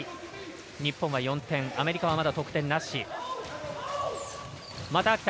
日本は４点アメリカはまだ得点なし。